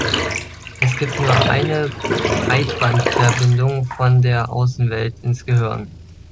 Es gibt nur eine Breitbandverbindung von der Außenwelt ins Gehirn.